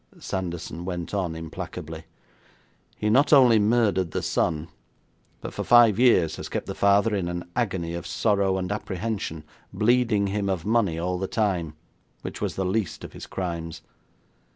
Sanderson went on implacably: 'He not only murdered the son, but for five years has kept the father in an agony of sorrow and apprehension, bleeding him of money all the time, which was the least of his crimes.